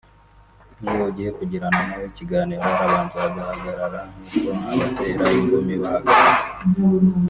n’iyo ugiye kugirana nawe ikiganiro arabanza agahagarara nk’uko abatera ingumi bahagarara